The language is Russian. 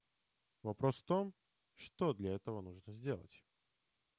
Вопрос в том, что для этого нужно сделать.